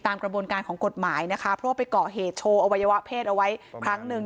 กระบวนการของกฎหมายนะคะเพราะว่าไปเกาะเหตุโชว์อวัยวะเพศเอาไว้ครั้งหนึ่ง